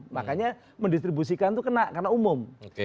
makanya mendistribusikan itu kena karena umum